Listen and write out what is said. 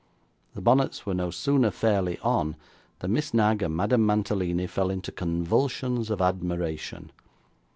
The bonnets were no sooner fairly on, than Miss Knag and Madame Mantalini fell into convulsions of admiration.